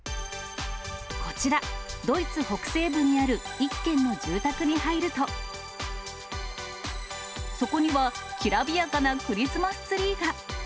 こちら、ドイツ北西部にある一軒の住宅に入ると、そこには、きらびやかなクリスマスツリーが。